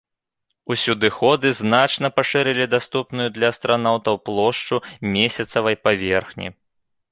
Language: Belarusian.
Усюдыходы значна пашырылі даступную для астранаўтаў плошчу месяцавай паверхні.